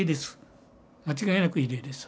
間違いなく異例です